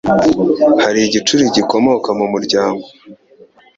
Hari igicuri gikomoka mu muryango